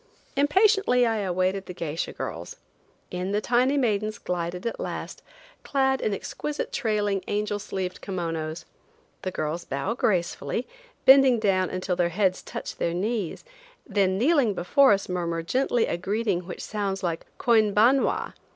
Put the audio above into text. Impatiently I awaited the geisha girls. In the tiny maidens glided at last, clad in exquisite trailing, angel sleeved kimonos. The girls bow gracefully, bending down until their heads touch their knees, then kneeling before us murmur gently a greeting which sounds like "Koinbanwa!"